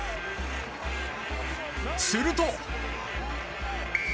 すると。